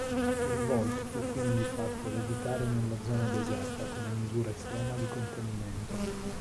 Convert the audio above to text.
Il Vault fu quindi fatto levitare nella zona deserta come misura estrema di contenimento.